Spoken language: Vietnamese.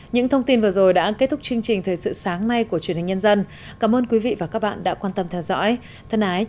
những thông tin vừa rồi đã kết thúc chương trình thời sự sáng nay của truyền hình nhân dân cảm ơn quý vị và các bạn đã quan tâm theo dõi thân ái chào tạm biệt